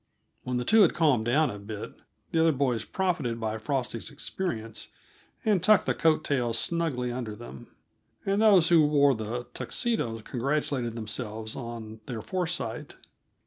When the two had calmed down a bit, the other boys profited by Frosty's experience, and tucked the coat tails snugly under them and those who wore the Tuxedos congratulated themselves on their foresight.